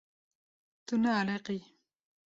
Tu naaliqî.